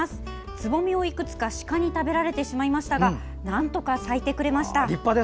つぼみをいくつか鹿に食べられてしまいましたがなんとか咲いてくれました。